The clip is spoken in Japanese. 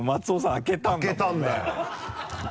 開けたんだよ。